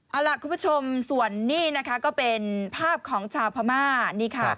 เอาล่ะคุณผู้ชมส่วนนี้ก็เป็นภาพของชาวพระมาศ